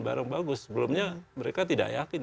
barang bagus sebelumnya mereka tidak yakin